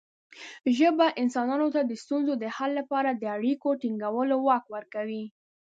ژبه انسانانو ته د ستونزو د حل لپاره د اړیکو ټینګولو واک ورکوي.